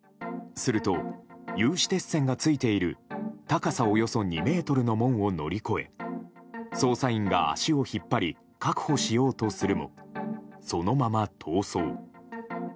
すると、有刺鉄線がついている高さおよそ２ｍの門を乗り越え捜査員が足を引っ張り確保しようとするもそのまま逃走。